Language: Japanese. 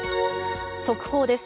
速報です。